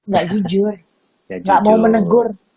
gak jujur gak mau menegur